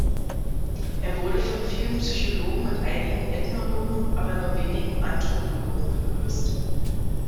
Er wurde von vielen Psychologen und einigen Ethnologen, aber nur wenigen Anthropologen begrüßt.